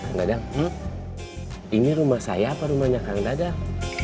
kang dadang ini rumah saya apa rumahnya kang dadak